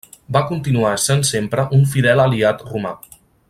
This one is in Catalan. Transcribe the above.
Va continuar essent sempre un fidel aliat romà.